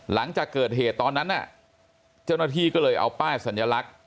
หลังจากเกิดเหตุตอนนั้นน่ะเจ้าหน้าที่ก็เลยเอาป้ายสัญลักษณ์